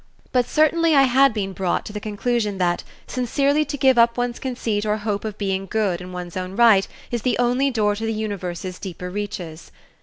But certainly I had been brought to the conclusion that "sincerely to give up one's conceit or hope of being good in one's own right is the only door to the Universe's deeper reaches."